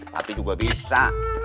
papi juga bisa